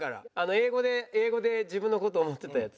英語で英語で自分の事思ってたやつ。